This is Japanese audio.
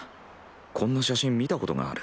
こんな写真見たことがある。